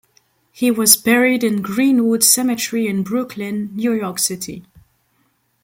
He was buried in Green-Wood Cemetery in Brooklyn, New York City.